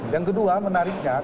yang kedua menariknya